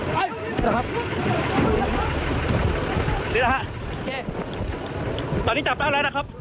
ไปนี่แหละครับนี่แหละครับตอนนี้จับได้อะไรนะครับ